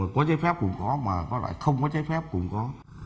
có chế phép cũng có mà có loại không có chế phép cũng có